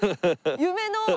夢の！